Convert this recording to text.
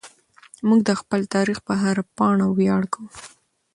موږ د خپل تاریخ په هره پاڼه ویاړ کوو.